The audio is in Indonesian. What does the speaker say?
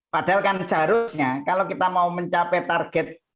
padahal kan seharusnya kalau kita mau mencapai target